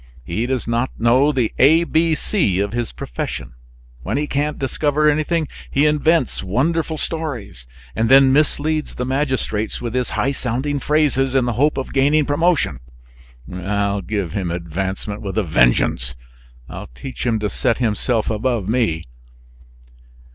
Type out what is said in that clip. He does not know the A B C of his profession. When he can't discover anything, he invents wonderful stories, and then misleads the magistrates with his high sounding phrases, in the hope of gaining promotion. I'll give him advancement with a vengeance! I'll teach him to set himself above me!"